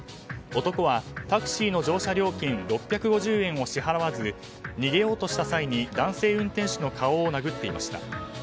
男はタクシーの乗車料金６５０円を支払わず逃げようとした際に男性運転手の顔を殴っていました。